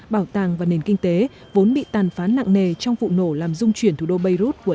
bảo tàng và nền kinh tế vốn bị tàn phán nặng nề trong vụ nổ làm dung chuyển thủ đô beirut của